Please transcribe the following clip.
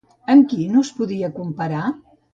Amb qui no es podia comparar?